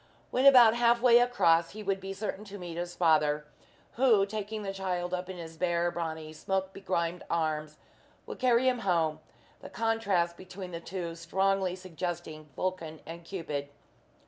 When about halfway across, he would be certain to meet his father, who, taking the child up in his bare, brawny, smoke begrimed arms, would carry him home the contrast between the two strongly suggesting Vulcan and Cupid.